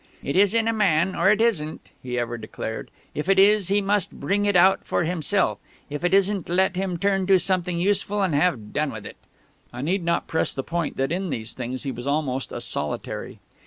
"It is in a man, or it isn't," he ever declared; "if it is, he must bring it out for himself; if it isn't, let him turn to something useful and have done with it." I need not press the point that in these things he was almost a solitary.